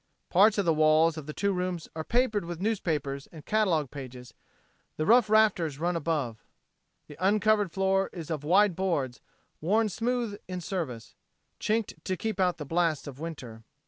Parts of the walls of the two rooms are papered with newspapers and catalog pages; the rough rafters run above. The uncovered floor is of wide boards, worn smooth in service, chinked to keep out the blasts of winter.